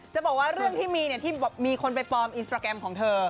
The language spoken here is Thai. จะบอกว่าเรื่องที่มีที่มีคนไปปลอมอินสตราแกรมของเธอ